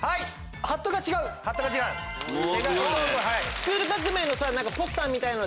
『スクール革命！』のポスターみたいなの。